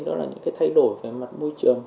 đó là những cái thay đổi về mặt môi trường